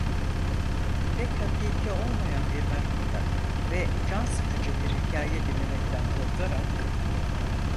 Pek hakiki olmayan bir merakla, ve can sıkıcı bir hikaye dinlemekten korkarak: